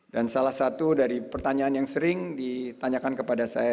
dan salah satu dari pertanyaan yang sering ditanyakan kepada saya